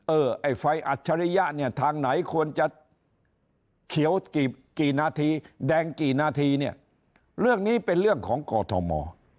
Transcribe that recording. ไอ้ไฟอัจฉริยะเนี่ยทางไหนควรจะเขียวกี่นาทีแดงกี่นาทีเนี่ยเรื่องนี้เป็นเรื่องของกอทม